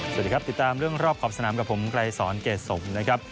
สวัสดีครับติดตามเรื่องรอบขอบสนามกับผมไกรสอนเกรดสมนะครับ